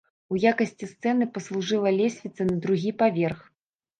У якасці сцэны паслужыла лесвіца на другі паверх.